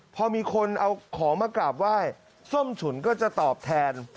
พอมีคนเอาของมากราบไหว้ส้มฉุนก็จะตอบแทน